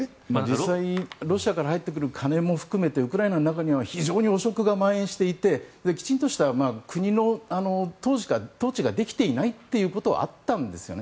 実際ロシアから入ってくる金も含めてウクライナの中には非常に汚職がまん延していてきちんとした国の統治ができていないということはあったんですよね。